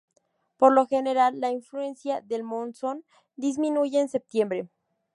Por lo general, la influencia del monzón disminuye en septiembre.